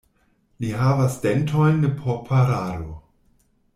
Li havas dentojn ne por parado.